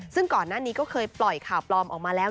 ซึ่งก่อนหน้านี้ก็เคยปล่อยข่าวปลอมออกมาแล้ว